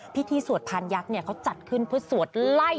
พิธีสวดพานยักษ์เขาจัดขึ้นเพื่อสวดไล่